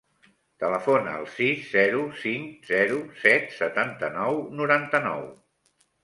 Telefona al sis, zero, cinc, zero, set, setanta-nou, noranta-nou.